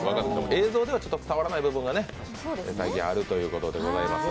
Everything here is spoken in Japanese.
映像では伝わらない部分があるということでございます。